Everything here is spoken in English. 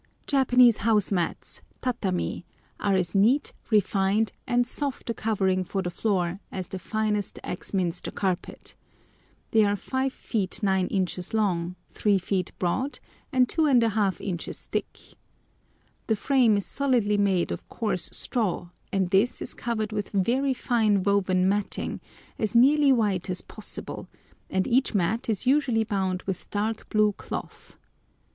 Japanese house mats, tatami, are as neat, refined, and soft a covering for the floor as the finest Axminster carpet. They are 5 feet 9 inches long, 3 feet broad, and 2½ inches thick. The frame is solidly made of coarse straw, and this is covered with very fine woven matting, as nearly white as possible, and each mat is usually bound with dark blue cloth.